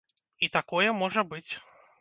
І такое можа быць.